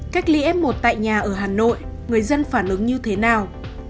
cách ly f một tại nhà ở hà nội người dân phản ứng như thế nào